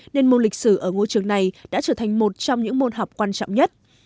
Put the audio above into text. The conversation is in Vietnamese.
nên môn lịch sử ở ngôi trường này đã trở thành một trong những môn học quan trọng nhất